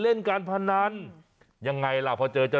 แบบนี้คือแบบนี้คือแบบนี้คือแบบนี้คือ